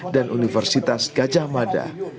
dan universitas gajah mada